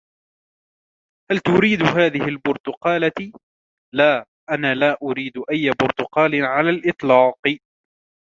" هل تريد هذهِ البرتقالة ؟"" لا, أنا لا أريد أي برتقال على الإطلاق. "